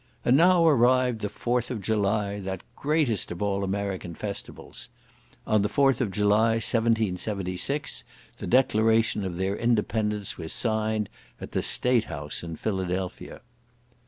And now arrived the 4th of July, that greatest of all American festivals. On the 4th of July, 1776, the declaration of their independence was signed, at the State house in Philadelphia.